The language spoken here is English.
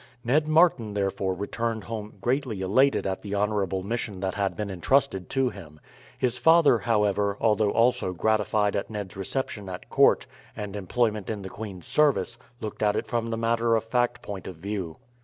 Ned Martin therefore returned home greatly elated at the honourable mission that had been intrusted to him. His father, however, although also gratified at Ned's reception at court and employment in the queen's service looked at it from the matter of fact point of view.